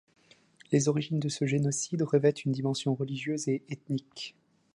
Les origines de ce génocide revêtent une dimension religieuse et ethnique.